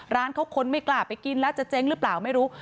ร้านเขาคนไม่กล้าไปกินแล้วจะเจ๊งหรือเปล่าไม่รู้